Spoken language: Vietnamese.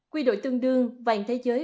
quy đội tương đương vàng thế giới